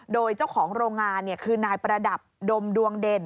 โดยเจ้าของโรงงานคือนายประดับดมดวงเด่น